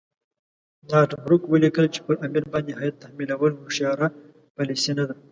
نارت بروک ولیکل چې پر امیر باندې هیات تحمیلول هوښیاره پالیسي نه ده.